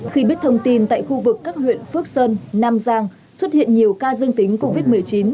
khi biết thông tin tại khu vực các huyện phước sơn nam giang xuất hiện nhiều ca dương tính covid một mươi chín